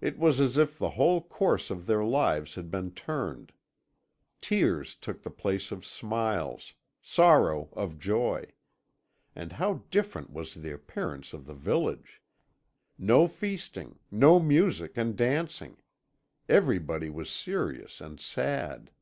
It was as if the whole course of their lives had been turned; tears took the place of smiles, sorrow of joy. And how different was the appearance of the village! No feasting, no music and dancing; everybody was serious and sad.